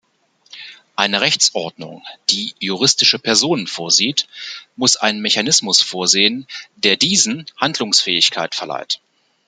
Eine Rechtsordnung, die juristische Personen vorsieht, muss einen Mechanismus vorsehen, der diesen Handlungsfähigkeit verleiht.